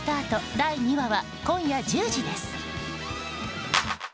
第２話は今夜１０時です。